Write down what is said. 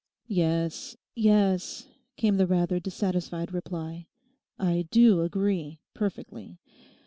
'Yes, yes,' came the rather dissatisfied reply. 'I do agree; perfectly.